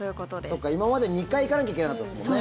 そっか、今まで２回行かなきゃいけなかったんですもんね。